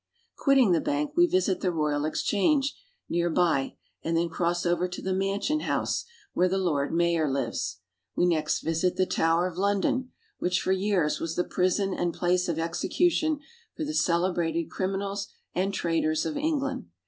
Quitting the bank, we visit the Royal Exchange near by, and then cross over to the Mansion House where the LONDON. 73 Lord Mayor lives. We next visit the Tower of London, which for years was the prison and place of execution for the celebrated criminals and traitors of England.